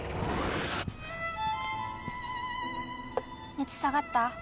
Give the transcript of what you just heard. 熱下がった？